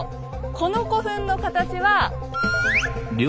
この古墳の形は？